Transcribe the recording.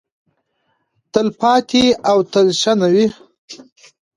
تلپاتې او تلشنه وي.